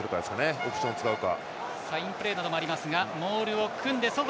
オプションを使うか。